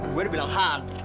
gue udah bilang hal